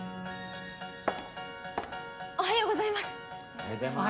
おはようございます。